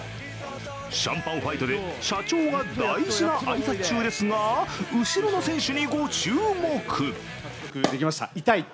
シャンパンファイトで社長が大事な挨拶中ですが、後ろの選手にご注目。